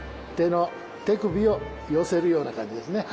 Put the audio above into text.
手首を寄せるような感じですね。